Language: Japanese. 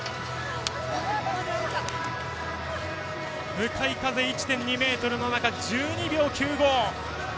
向かい風１．２メートルの中１２秒９５。